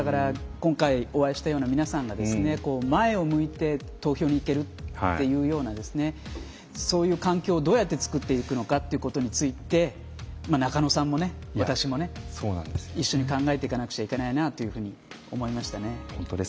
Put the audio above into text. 今回、お会いしたような皆さんが前を向いて投票に行けるというようなそういう環境をどうやって作っていくのかということについて中野さんも私も一緒に考えていかなくちゃいけないなというふうに思いました。